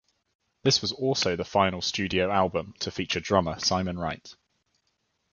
This was also the final studio album to feature drummer Simon Wright.